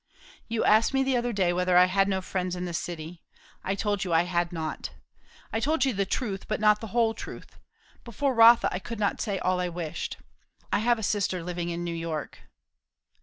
"You asked me the other day, whether I had no friends in the city. I told you I had not. I told you the truth, but not the whole truth. Before Rotha I could not say all I wished. I have a sister living in New York."